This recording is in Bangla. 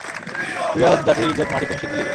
তুই আজ জাতির ইজ্জত মাটিতে মিশিয়ে দিলি?